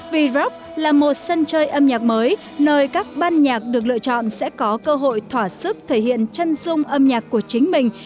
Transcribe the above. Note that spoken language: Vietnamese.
v rock là một sân chơi âm nhạc mới nơi các ban nhạc được lựa chọn sẽ có cơ hội thỏa sức thể hiện chân dung âm nhạc của chính mình